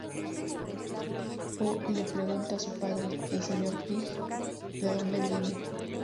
Po le pregunta a su padre, el señor Ping, de dónde viene.